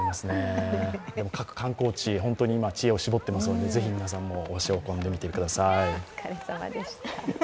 各観光地、本当に今、知恵を絞っていますので、是非皆さんも足を運んでみてください。